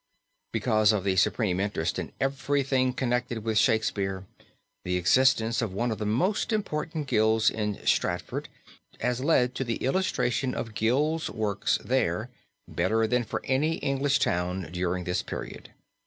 Because of the supreme interest in everything connected with Shakespeare, the existence of one of the most important guilds in Stratford, has led to the illustration of guilds' works there better than for any English town during this period.